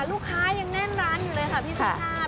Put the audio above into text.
ลูกค้ายังแน่นร้านอยู่เลยค่ะพี่สุชาติ